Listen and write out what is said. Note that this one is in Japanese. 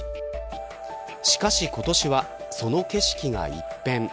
しかし、今年はその景色が一変。